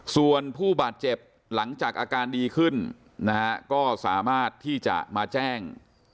ส่วนผู้บาดเจ็บหลังจากอาการดีขึ้นนะฮะก็สามารถที่จะมาแจ้ง